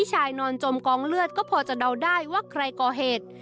ชายนอนจมกองเลือดก็พอจะเดาได้ว่าใครก่อเหตุ